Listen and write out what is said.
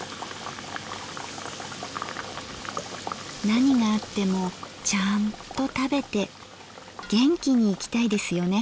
何があってもちゃんと食べて元気にいきたいですよね？